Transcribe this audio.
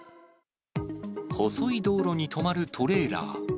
細い道路に止まるトレーラー。